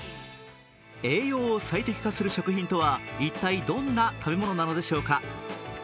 栄養を最適化する食品とは一体どんな食べ物なのでしょうか。